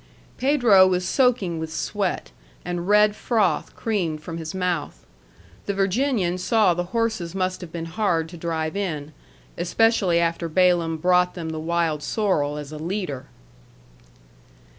Pedro was soaking with sweat, and red froth creamed from his mouth. The Virginian saw the horses must have been hard to drive in, especially after Balaam brought them the wild sorrel as a leader.